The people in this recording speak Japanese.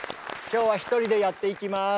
今日は１人でやっていきます。